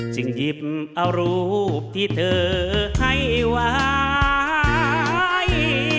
หยิบเอารูปที่เธอให้ไว้